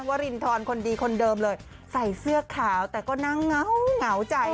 วรินทรคนดีคนเดิมเลยใส่เสื้อขาวแต่ก็นั่งเหงาเหงาใจ